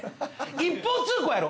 一方通行やろ。